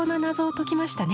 解きましたね。